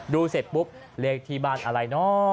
ดูเสร็จปุ๊บเรทีบ้านอะไรอ๋อ